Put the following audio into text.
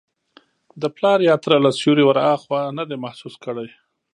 د پلار یا تره له سیوري وراخوا نه دی محسوس کړی.